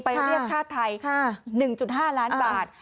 ไปเรียกฆาตไทย๑๕ล้านบาท